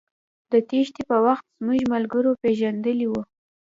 د تېښتې په وخت زموږ ملګرو پېژندلى و.